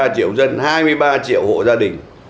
chín mươi ba triệu dân hai mươi ba triệu hộ gia đình